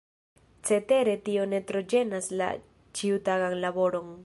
Cetere tio ne tro ĝenas la ĉiutagan laboron.